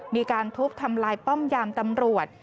มีการทุบทำลายป้อมยามตำรวจ